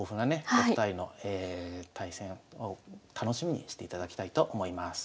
お二人の対戦を楽しみにしていただきたいと思います。